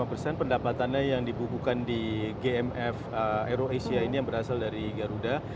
lima persen pendapatannya yang dibubuhkan di gmf aero asia ini yang berasal dari garuda